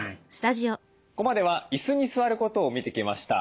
ここまでは椅子に座ることを見てきました。